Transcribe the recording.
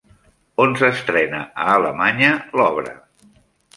On s'estrenà a Alemanya l'obra?